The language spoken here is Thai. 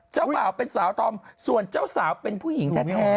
เจ้าบ่าวเป็นสาวธอมส่วนเจ้าสาวเป็นผู้หญิงแท้